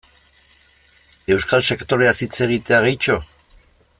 Euskal sektoreaz hitz egitea, gehitxo?